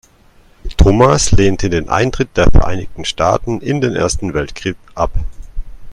Thomas lehnte den Eintritt der Vereinigten Staaten in den Ersten Weltkrieg ab.